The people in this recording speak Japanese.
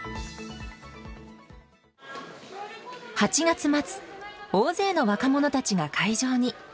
８月末、大勢の若者たちが会場に。